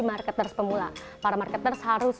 marketer pemula para marketer harus